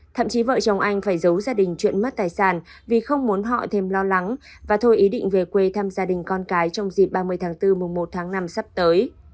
thậm chí vợ chồng anh phải giấu gia đình chuyện mất tài sản vì không muốn họ thêm lo lắng và thôi ý định về quê thăm gia đình con cái trong dịp ba mươi tháng bốn mùa một tháng năm sắp tới